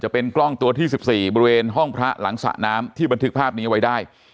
เป็นกล้องตัวที่๑๔บริเวณห้องพระหลังสระน้ำที่บันทึกภาพนี้ไว้ได้